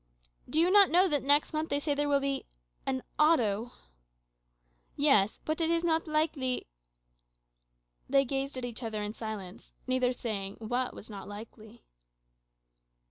"Do you not know that next month they say there will be an Auto?" "Yes; but it is not likely " They gazed at each other in silence, neither saying what was not likely.